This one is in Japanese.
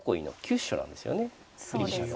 振り飛車の。